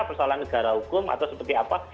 persoalan negara hukum atau seperti apa